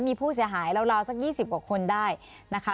มีผู้เสียหายราวสัก๒๐กว่าคนได้นะคะ